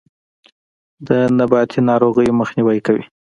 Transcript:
د نباتي ناروغیو مخنیوی کوي.